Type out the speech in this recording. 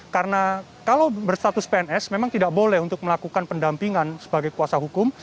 karena kalau berstatus pns memang tidak boleh untuk melakukan pendampingan sebagai kuasa hukum